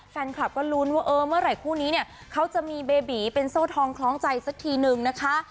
แฟนคลับก็ลุ้นว่าเออเมื่อไหร่คู่นี้เนี่ยเขาจะมีเบบีเป็นโซ่ทองคล้องใจสักทีนึงนะคะ